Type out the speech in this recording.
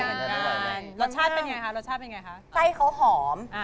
รสชาติเป็นยังไงสไส้เขาหอม